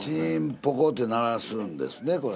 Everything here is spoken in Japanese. ポコッ！て鳴らすんですねこれ。